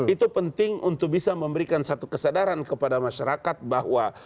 itu penting untuk bisa memberikan satu kesadaran kepada masyarakat bahwa